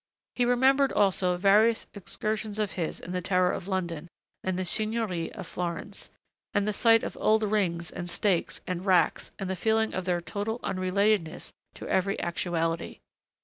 He remembered also various excursions of his in the Tower of London and the Seigniory of Florence, and the sight of old rings and stakes and racks and the feeling of their total unrelatedness to every actuality.